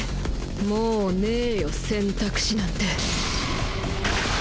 もうねェよ選択肢なんて。